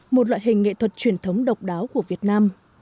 một loại hình nghệ thuật truyền thống độc đáo của việt nam